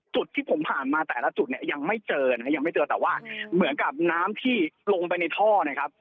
จุดที่ผมผ่านมาแต่ละจุดเนี่ยยังไม่เจอนะครับยังไม่เจอแต่ว่าเหมือนกับน้ำที่ลงไปในท่อนะครับ